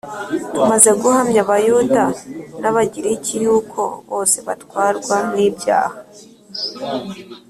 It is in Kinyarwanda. tumaze guhamya Abayuda n'Abagiriki yuko bose batwarwa n'ibyaha